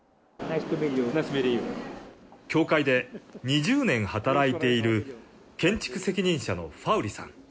教会で２０年働いている建築責任者のファウリさん。